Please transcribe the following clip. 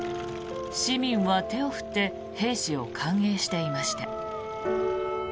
市民は手を振って兵士を歓迎していました。